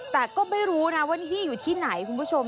แต่ก็ไม่รู้นะว่านี่อยู่ที่ไหนคุณผู้ชม